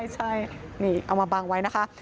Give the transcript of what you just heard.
ใช่นี่เอามาบังไว้นะคะ